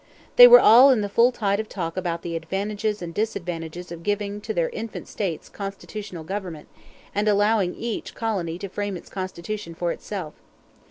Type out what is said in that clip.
They were all in the full tide of talk about the advantages and disadvantages of giving to their infant States constitutional government, and allowing each colony to frame its constitution for itself.